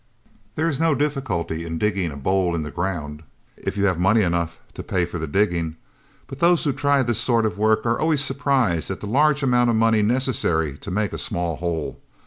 There is no difficulty in digging a bole in the ground, if you have money enough to pay for the digging, but those who try this sort of work are always surprised at the large amount of money necessary to make a small hole.